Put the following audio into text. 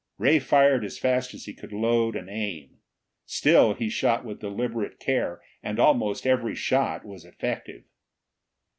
Ray fired as fast as he could load and aim. Still he shot with deliberate care, and almost every shot was effective.